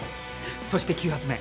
そして９発目。